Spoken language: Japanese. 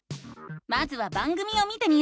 まずは番組を見てみよう！